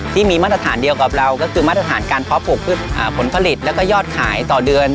ที่มีมาตรฐานเดียวกับเราก็คือมาตรฐานการเพาะปลูกพืชผลผลิตแล้วก็ยอดขายต่อเดือน